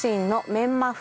メンマ風？